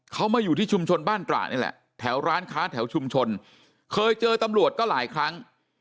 เขามาอยู่ที่ชุมชนบ้านตระนี่แหละแถวร้านค้าแถวชุมชนเคยเจอตำรวจก็หลายครั้ง